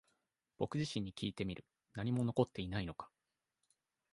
僕自身にきいてみる。何も残っていないのか？